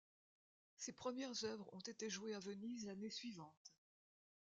Ses premières œuvres ont été jouées à Venise l’année suivante.